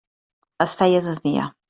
Es feia de dia.